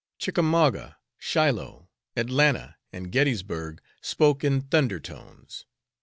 Chickamauga, Shiloh, Atlanta and Gettysburgh, spoke in thunder tones!